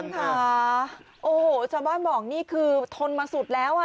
ค่ะโอ้โหชาวบ้านบอกนี่คือทนมาสุดแล้วอ่ะ